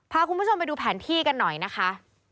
พาคุณผู้ชมไปดูแผนที่กันหน่อยนะคะ